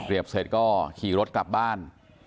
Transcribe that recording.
เตรียบเสร็จก็ขี่รถกลับบ้าน